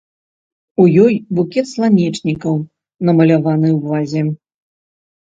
У ёй букет сланечнікаў намаляваны ў вазе.